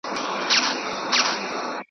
په کمزوري لښکر ګډه سوله ماته .